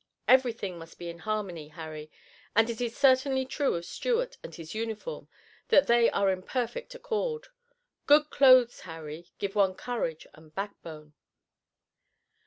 Everything must be in harmony, Harry, and it is certainly true of Stuart and his uniform that they are in perfect accord. Good clothes, Harry, give one courage and backbone."